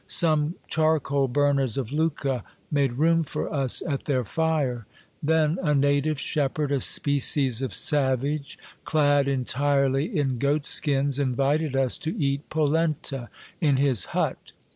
Some charcoal burners of Lucca made room for us at their fire. Then a native shepherd, a species of savage, clad entirely in goatskins, invited us to ^2!^ polenta in his hut.